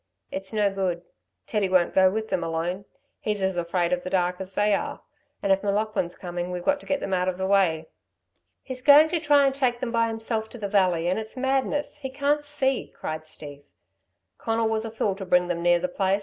"It's no good, Teddy won't go with them alone. He's as afraid of the dark as they are. And if M'Laughlin's coming we've got to get them out of the way." "He's going to try and take them himself to the valley; and it's madness he can't see," cried Steve. "Conal was a fool to bring them near the place.